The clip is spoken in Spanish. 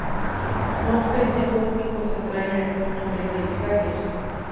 No presenta un pico central en el punto medio del cráter.